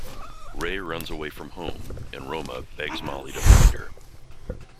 Ray runs away from home and Roma begs Molly to find her.